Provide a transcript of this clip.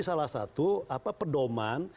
salah satu pedoman